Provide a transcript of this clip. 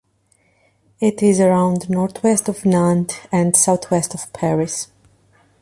It is around northwest of Nantes and south west of Paris.